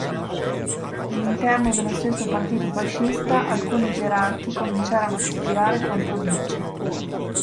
All'interno dello stesso Partito Fascista alcuni gerarchi cominciarono a cospirare contro il Duce.